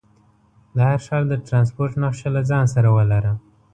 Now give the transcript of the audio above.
د هر ښار د ټرانسپورټ نقشه له ځان سره ولره.